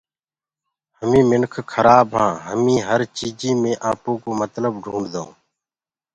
همينٚ منک کرآب هآن همينٚ هر چيجيٚ مي آپوڪو متلب ڍونٚڊدآئونٚ